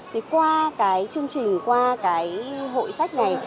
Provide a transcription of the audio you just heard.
thì qua cái chương trình qua cái hội sách này